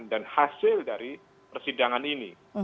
dan hasil dari persidangan ini